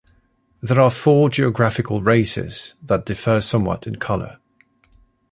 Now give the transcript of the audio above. There are four geographical races that differ somewhat in colour.